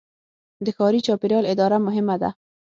د ښاري چاپیریال اداره مهمه ده.